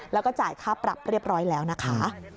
แล้วก็จ่ายค่าปรับเรียบร้อยแล้วนะคะ